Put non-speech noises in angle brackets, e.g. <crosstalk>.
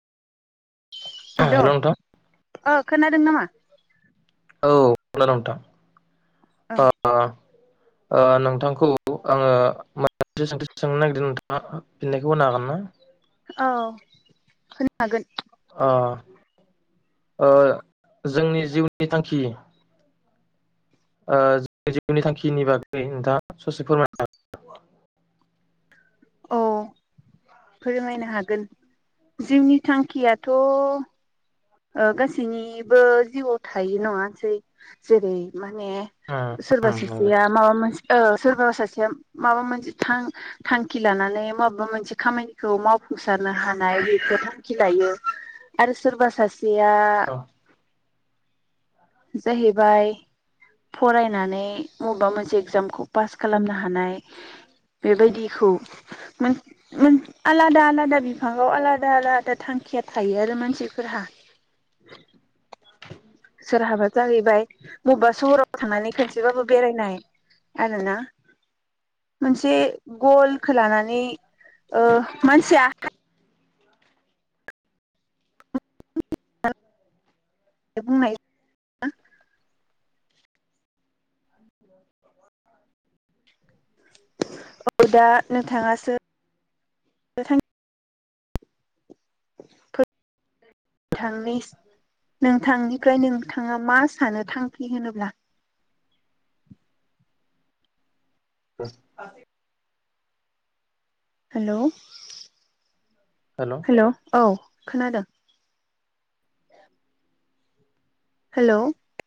हेल ओ खोनादों नामा? औ <unintelligible> नोंथां ओ अ ओ नोंथांखौ आङो मोनसे सोंथि सोंनो नागिरदों नोंथाङा फिननायखौ होनो हागोन ना? औ होनो हागोन। ओ ओ जोंनि जिउनि थांखि ओ <unintelligible> जिउनि थांखिनि बागै नोंथाङा ससे फोरमायनो हागोना? औ फोरमायनो हागोन जिउनि थांखियाथ ओ गासैनिबो जिउआव थायो नङासै जेरै मा ने उम उम सोरबा नंगौ सासेया माबा मोनसे औ सोरबाा सासेया माबा मोनसे थां-थांखि लानानै माबा मोनसे खामानिखौ मावफुंसारनो हानाय बेखौ थांखि लायो आरो सोरबा सासे या जाहैबाय फरायनानै मबेबा मोनसे एगजामखौ पास खालामनो हानाय बेबायदिखौ मोन मोन आलादा आलादा बिफाङाव आलादा आलादा थांखिया थायो आरो मानसिफोरहा <inaudible> सोरहाबा जाहैबाय मबेबा सहराव थांनानै खनसेबाबो बेरायनाय आरोना। मोनस से गलखौ लानानै ओ मानसिया <unintelligible> बुंनाय <unintelligible> औ दा नोंथाङासो थां <unintelligible> नोंथांनिफ्राय नोंथां आ मा सानो थांखि होनोब्ला? औ <unintelligible> हेलौ हेल' हेलौ औ खोनादों हेलौ